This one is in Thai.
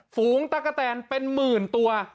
ฝูงตะกะแตนเป็นหมื่นตัว